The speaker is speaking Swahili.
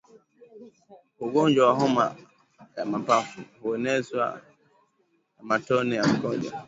Ugonjwa wa homa ya mapafu huenezwa na matone ya mkojo